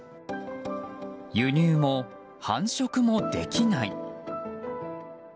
輸入も繁殖もできない。